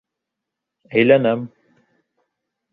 Әйләнәм!